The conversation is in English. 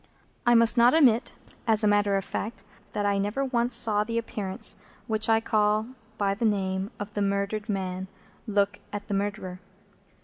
I must not omit, as a matter of fact, that I never once saw the Appearance which I call by the name of the murdered man look at the Murderer.